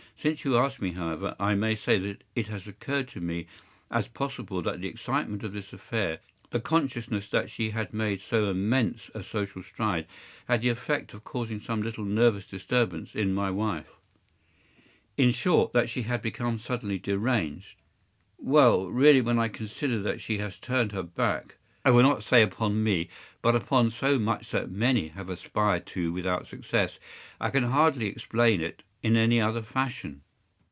Since you ask me, however, I may say that it has occurred to me as possible that the excitement of this affair, the consciousness that she had made so immense a social stride, had the effect of causing some little nervous disturbance in my wife.” “In short, that she had become suddenly deranged?” “Well, really, when I consider that she has turned her back—I will not say upon me, but upon so much that many have aspired to without success—I can hardly explain it in any other fashion.